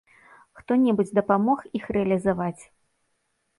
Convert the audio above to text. Хто-небудзь дапамог іх рэалізаваць?